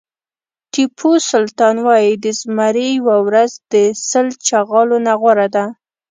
ټيپو سلطان وایي د زمري یوه ورځ د سل چغالو نه غوره ده.